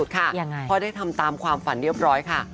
เพราะได้ทำตามความฝันเรียบร้อยค่ะ